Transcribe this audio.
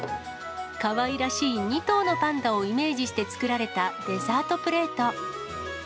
かわいらしい２頭のパンダをイメージして作られたデザートプレート。